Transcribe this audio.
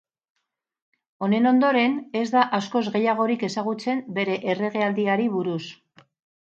Honen ondoren, ez da askoz gehiagorik ezagutzen bere erregealdiari buruz.